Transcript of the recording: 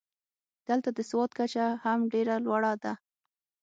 دلته د سواد کچه هم ډېره لوړه ده.